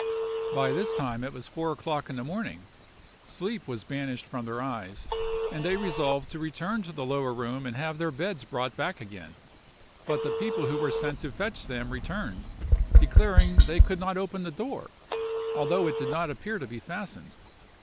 "By this time it was four o'clock in the morning; sleep was banished from their eyes, and they resolved to return to the lower room and have their beds brought back again: but the people who were sent to fetch them returned, declaring they could not open the door, although it did not appear to be fastened.